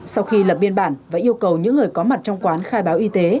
sau khi lập biên bản và yêu cầu những người có mặt trong quán khai báo y tế